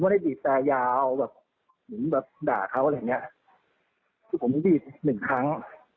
ก็ไม่ได้บีบแสยาวมีแบบด่าเขาอะไรครับผมไม่บีบนึกครั้ง